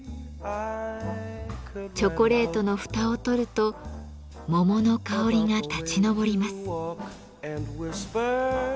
チョコレートの蓋を取ると桃の香りが立ち上ります。